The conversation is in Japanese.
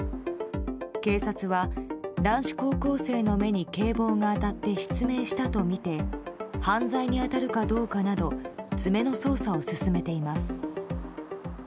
警察は男子高校生の目に警棒が当たって失明したとみて犯罪に当たるかどうかなど詰めの捜査を進めています。